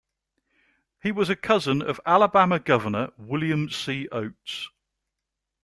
He was a cousin of Alabama governor William C. Oates.